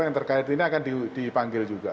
yang terkait ini akan dipanggil juga